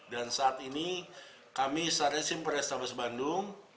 dan saat ini kami sarasim perestabes bandung